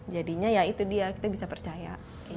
jadinya ya itu dia kita bisa percaya